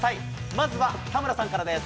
まずは田村さんからです。